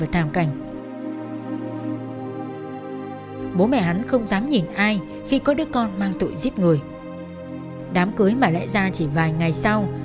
thật ra chỉ vài ngày sau